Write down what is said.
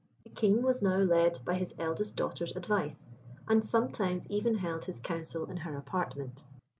The King was now led by his eldest daughter's advice, and sometimes even held his Council in her apartment.